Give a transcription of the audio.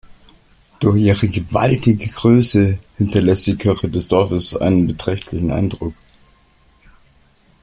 Durch ihre gewaltige Größe hinterlässt die Kirche des Dorfes einen beträchtlichen Eindruck.